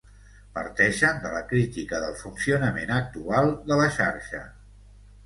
Parteixen de la crítica del funcionament actual de la xarxa.